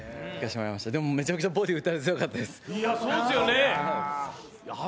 でもめちゃくちゃボディー打たれ強かったです。